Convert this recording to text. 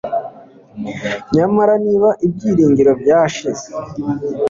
nyamara niba ibyiringiro byashize